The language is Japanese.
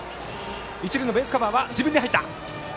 一塁のベースカバー、水野自分で入った。